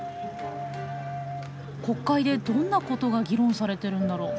国会でどんなことが議論されてるんだろ。